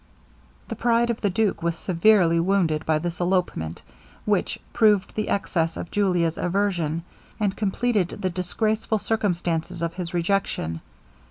The pride of the duke was severely wounded by this elopement, which proved the excess of Julia's aversion, and compleated the disgraceful circumstances of his rejection.